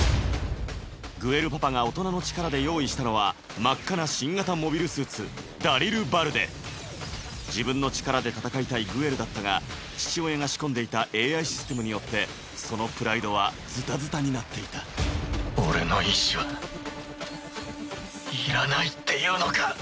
グエルパパが大人の力で用意したのは真っ赤な新型モビルスーツダリルバルデ自分の力で戦いたいグエルだったが父親が仕込んでいたＡＩシステムによってそのプライドはズタズタになっていた俺の意思はいらないっていうのか。